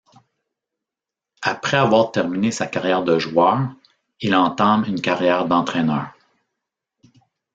Après avoir terminé sa carrière de joueur, il entame une carrière d'entraîneur.